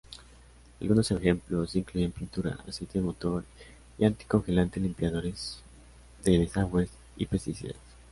Algunos ejemplos incluyen pintura, aceite de motor y anticongelante, limpiadores de desagües, y pesticidas.